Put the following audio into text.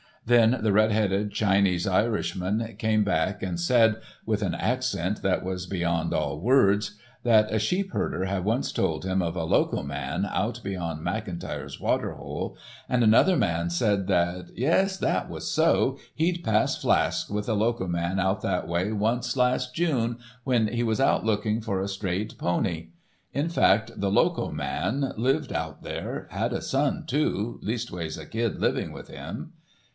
Then the red headed Chinese Irishman came back and said, with an accent that was beyond all words, that a sheepherder had once told him of a loco man out beyond McIntyre's waterhole, and another man said that, "Yes, that was so; he'd passed flasks with a loco man out that way once last June, when he was out looking for a strayed pony. In fact, the loco man lived out there, had a son, too, leastways a kid lived with him."